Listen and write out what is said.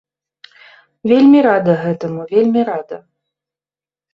Вельмі рада гэтаму, вельмі рада.